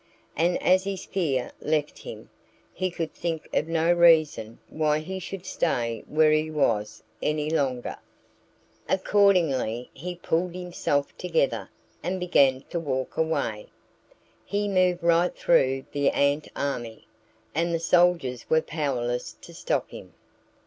And as his fear left him, he could think of no reason why he should stay where he was any longer. Accordingly he pulled himself together and began to walk away. He moved right through the ant army; and the soldiers were powerless to stop him.